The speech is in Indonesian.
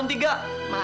ini kamar temanmu